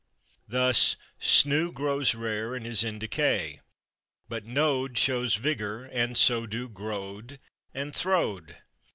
Thus /snew/ grows rare and is in decay, but /knowed/ shows vigor, and so do /growed/ and /throwed